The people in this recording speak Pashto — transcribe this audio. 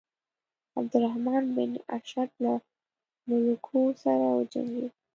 عبدالرحمن بن اشعث له ملوکو سره وجنګېد.